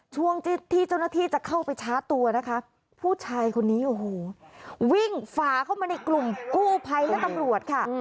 ช่วงที่เจ้าหน้าที่จะเข้าไปชาร์จตัวนะคะผู้ชายคนนี้โอ้โหวิ่งฝาเข้ามาในกลุ่มกู้ภัยและตำรวจค่ะ